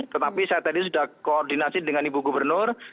tetapi saya tadi sudah koordinasi dengan ibu gubernur